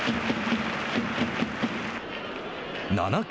７回。